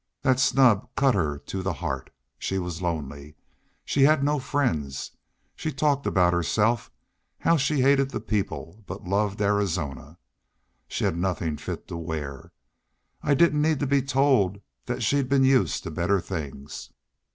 That snub cut her to the heart. She was lonely. She had no friends. She talked about herself how she hated the people, but loved Arizona. She had nothin' fit to wear. I didn't need to be told that she'd been used to better things.